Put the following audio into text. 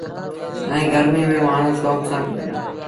ائيٚݩ گرميٚ ميݩ مآڻهوٚٚݩ شوڪ سآݩ پئيٚن دآ۔